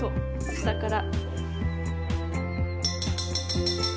下から。